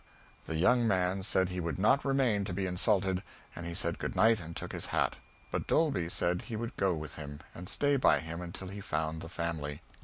The young man said he would not remain to be insulted; and he said good night and took his hat. But Dolby said he would go with him, and stay by him until he found the family.